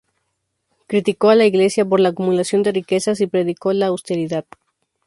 Criticó a la Iglesia por la acumulación de riquezas y predicó la austeridad.